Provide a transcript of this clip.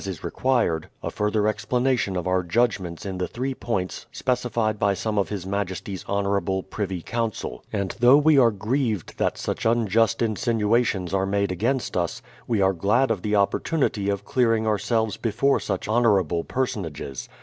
THE PLYMOUTH SETTLEMENT 29 required, a further explanation of our judgments in the three points specified by some of his majesty's Honourable Priv y Council; and though we are grieved that such unjust insinuations are made against us, we arc glad of the opportunity of clearing ourselves before such honourable personages.